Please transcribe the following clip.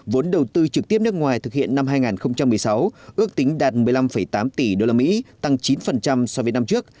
vốn đầu tư trực tiếp nước ngoài thực hiện năm hai nghìn một mươi sáu ước tính đạt một mươi năm tám tỷ usd tăng chín so với năm trước